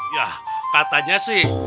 yah katanya sih